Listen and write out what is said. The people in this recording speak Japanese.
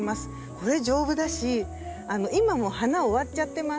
これ丈夫だし今もう花終わっちゃってます。